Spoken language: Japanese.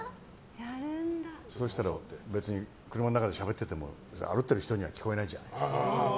そうしたら、別に車の中でしゃべってても歩いている人には聞こえないじゃない。